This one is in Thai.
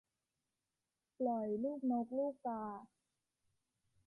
ปล่อยลูกนกลูกกา